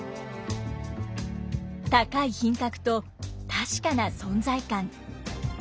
高い品格と確かな存在感。